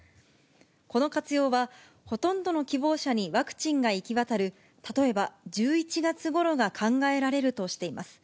この活用は、ほとんどの希望者にワクチンが行き渡る、例えば、１１月ごろが考えられるとしています。